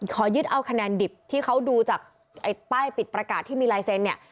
ขอยึดเอาคะแนนดิบที่เขาดูจากป้ายปิดประกาศที่มีลายเซ็นต์เนี่ย